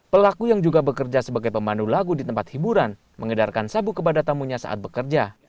pelaku yang juga bekerja sebagai pemandu lagu di tempat hiburan mengedarkan sabu kepada tamunya saat bekerja